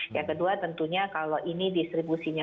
yang kedua tentunya kalau ini distribusinya